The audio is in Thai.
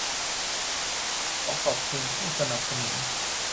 ขอขอบคุณผู้สนับสนุน